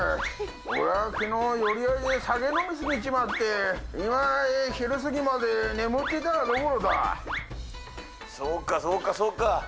俺はきのう、寄り合いで酒飲み過ぎちまって、今、昼過ぎまで眠ってたところだそうかそうかそうか。